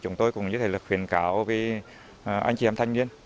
chúng tôi cũng như thế là khuyến khảo với anh chị em thanh niên